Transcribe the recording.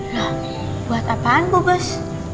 loh buat apaan bu bos